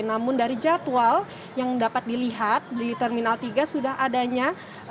namun dari jadwal yang dapat dilihat di terminal tiga sudah adanya